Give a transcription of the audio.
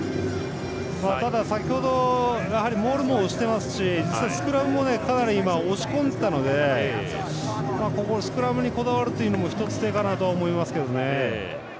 ただ、先ほどモールも押してますし実はスクラムもかなり今、押し込んでいたのでスクラムにこだわるというのも一つ、手かなとは思いますけどね。